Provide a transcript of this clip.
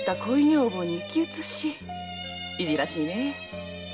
いじらしいねえ。